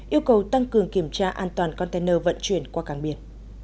yêu cầu tăng cường kiểm tra an toàn container vận chuyển qua cảng biển